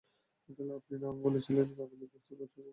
আপনি না বলেছিলেন আগামী এক হাজার বছরের মধ্যে এমনটা ঘটবে না?